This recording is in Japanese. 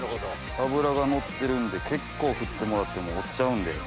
脂がのってるんで結構振ってもらっても落ちちゃうんで。